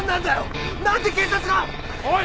おい。